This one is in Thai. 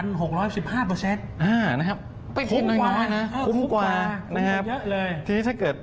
นะครับคุ้มกว่านะครับ